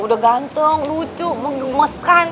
udah ganteng lucu menggemeskan